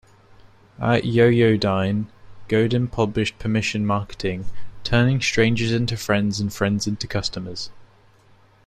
At Yoyodyne, Godin published "Permission Marketing: Turning strangers into friends and friends into customers".